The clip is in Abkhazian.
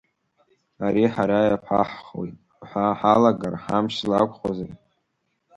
Ари ҳара иаԥаҳхуеит ҳәа ҳалагар, ҳамч злақәхозеи!